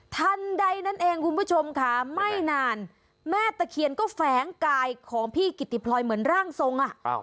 ทันใดนั่นเองคุณผู้ชมค่ะไม่นานแม่ตะเคียนก็แฝงกายของพี่กิติพลอยเหมือนร่างทรงอ่ะ